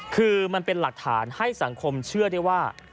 คือมันเป็นหลักฐานให้สังคมเชื่อได้ว่า